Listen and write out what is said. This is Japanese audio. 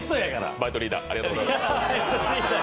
バイトリーダー、ありがとうございます。